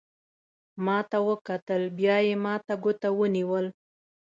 ما ته وکتل، بیا یې ما ته ګوته ونیول.